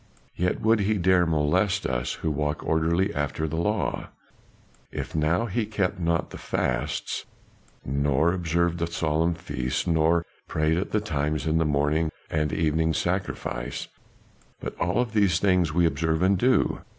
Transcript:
"Yet would he dare molest us who walk orderly after the law? If now we kept not the fasts, nor observed the solemn feasts, nor prayed at the times of the morning and evening sacrifice but all of these things we observe and do.